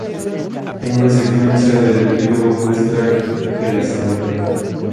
Una secuencia del epílogo muestra que la Sra.